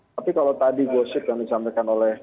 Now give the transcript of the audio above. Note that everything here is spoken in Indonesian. tapi kalau tadi gosip yang disampaikan oleh